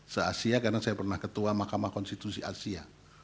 se asia karena saya pernah ketua mahkamah konstitusi asia